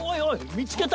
見つけた！